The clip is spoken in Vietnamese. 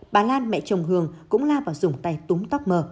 bà lan mẹ chồng hường cũng la vào dùng tay túng tóc m